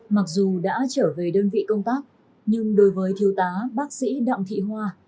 mặc dù đã trở về đơn vị công tác nhưng đối với thiếu tá bác sĩ đặng thị hoa